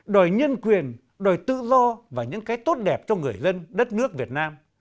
đòi nhân quyền đòi tự do và những cái tốt đẹp cho người dân đất nước việt nam